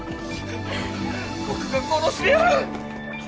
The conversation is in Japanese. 僕が殺してやる。